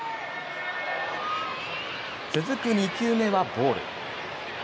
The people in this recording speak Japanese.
続く２球目はボール。